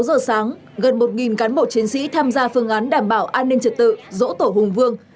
sáu giờ sáng gần một cán bộ chiến sĩ tham gia phương án đảm bảo an ninh trật tự dỗ tổ hùng vương